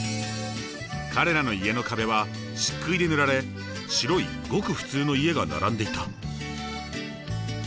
彼らの家の壁は漆喰で塗られ白いごく普通の家が並んでいた。